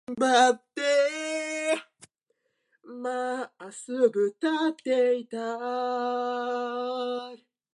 自然の美しさを学ぶことは、私たちの環境への理解を深めます。